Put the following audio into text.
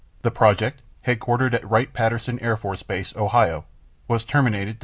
The project, headquartered at Wright Patterson Air Force Base, Ohio, was terminated Dec.